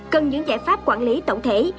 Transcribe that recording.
cần những giải pháp quản lý tổng thể